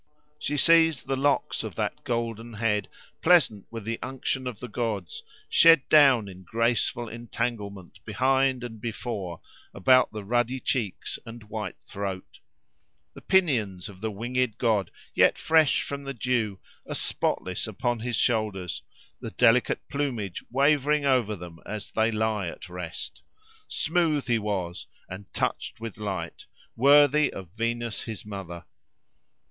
She sees the locks of that golden head, pleasant with the unction of the gods, shed down in graceful entanglement behind and before, about the ruddy cheeks and white throat. The pinions of the winged god, yet fresh with the dew, are spotless upon his shoulders, the delicate plumage wavering over them as they lie at rest. Smooth he was, and, touched with light, worthy of Venus his mother.